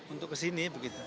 untuk kesini begitu